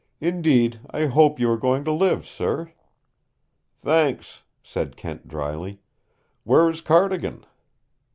"Indeed, I hope you are going to live, sir." "Thanks!" said Kent dryly. "Where is Cardigan?"